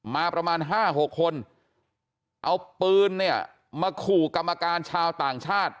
มาประมาณ๕๖คนเอาปืนเนี่ยมาขู่กรรมการชาวต่างชาติ